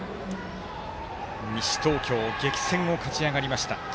西東京激戦を勝ち上がりました